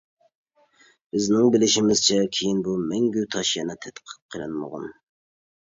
بىزنىڭ بىلىشىمىزچە كىيىن بۇ مەڭگۈ تاش يەنە تەتقىق قىلىنمىغان.